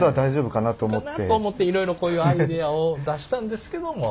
かなと思っていろいろこういうアイデアを出したんですけども。